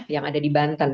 yang ada di banten